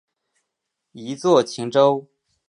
一作晴州。